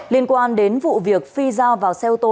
liên quan đến vụ việc phi giao vào xe ô tô